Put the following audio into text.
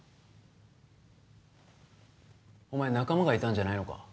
お前仲間がいたんじゃないのか？